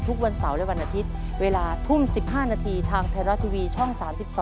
ทุกวันเสาร์และวันอาทิตย์เวลาทุ่ม๑๕นาทีทางไทยรัฐทีวีช่อง๓๒